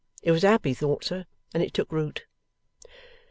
It was a happy thought, sir, and it took root.